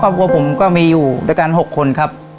ครอบครัวผมก็มีอยู่ด้วยกัน๖คนครับ